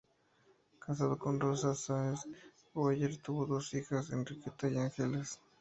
Casado con Rosa Sáez Boyer, tuvo dos hijas, Enriqueta y Ángeles.